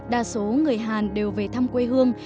đa số người hàn đều về thăm quê hương